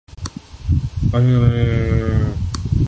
پاکستان کی جاپان کو بجلی کے شعبے میں سرمایہ کاری کی دعوت